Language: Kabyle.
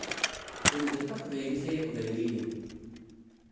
Lemdet taqbaylit ay iqbayliyen!